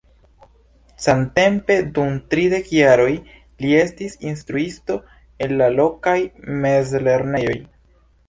Samtempe dum tridek jaroj li estis instruisto en la lokaj mezlernejoj.